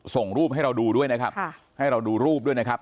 ส่งรูปให้เราดูด้วยนะครับให้เราดูรูปด้วยนะครับ